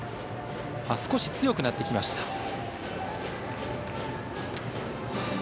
少し強くなってきました。